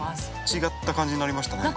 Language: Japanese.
違った感じになりましたね。